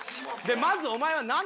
まずお前は。